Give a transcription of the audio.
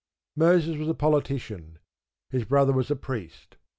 Moses was a politician; his brother was a priest.